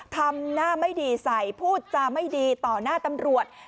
ทำหน้าไม่ดีใส่พูดจาไม่ดีต่อหน้าตำรวจ